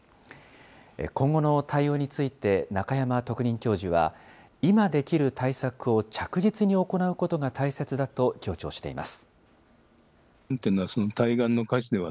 今後の対応について、中山特任教授は、今できる対策を着実に行うことが大切だと強調しています。